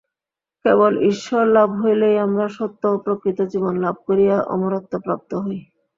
কেবল ঈশ্বরলাভ হইলেই আমরা সত্য ও প্রকৃত জীবন লাভ করিয়া অমরত্ব প্রাপ্ত হই।